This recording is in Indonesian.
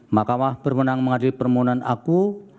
makamah bermenang mengadil permohonan aku